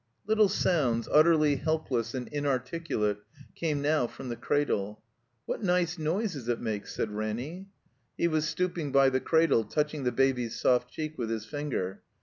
Little sounds, utterly helpless and inarticulate, came now from the cradle. "What nice noises it makes/' said Ranny. He was stooping by the cradle, touching the Baby's soft cheek with his finger.